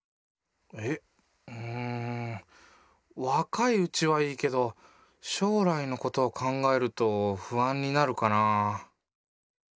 若いうちはいいけど将来のことを考えると不安になるかなぁ。